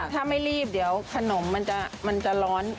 ถ้าไม่รีบเดี๋ยวขนมมันจะร้อน